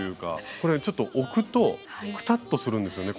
これちょっと置くとクタッとするんですよね